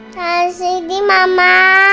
kasih di mama